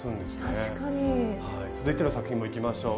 続いての作品もいきましょう。